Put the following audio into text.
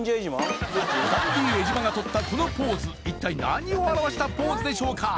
ダンディ江島がとったこのポーズ一体何を表したポーズでしょうか？